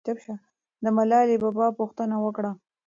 د ملالۍ په باب پوښتنه وکړه.